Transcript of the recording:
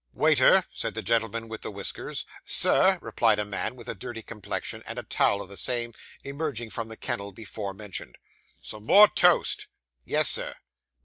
'Waiter,' said the gentleman with the whiskers. 'Sir?' replied a man with a dirty complexion, and a towel of the same, emerging from the kennel before mentioned. 'Some more toast.' 'Yes, sir.